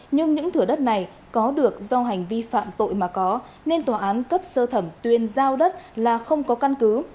nhưng những thửa đất này có được do hành vi phạm tội mà có nên tòa án cấp sơ thẩm tuyên giao đất là không có căn cứ